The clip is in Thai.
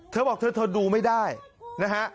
เธอบอกเธอดูไม่ได้นะฮะ